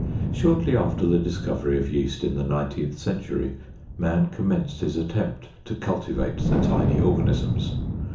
Shortly after the discovery of yeast in the nineteenth century, man commenced his attempt to cultivate the tiny organisms.